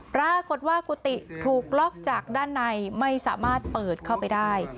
ปรากฏว่ากุฏิถูกล็อกจากด้านในไม่สามารถเปิดเข้าไปได้